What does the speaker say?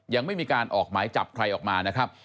ยังไม่มีการออกหมายจับใครออกมานะครับ